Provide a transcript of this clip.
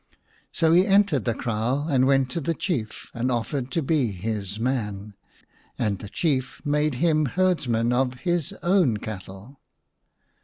So he entered the kraal and went to the Chief and offered to be his man, and the Chief made him herdsman of his own cattle.